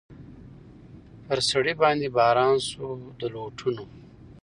پر سړي باندي باران سو د لوټونو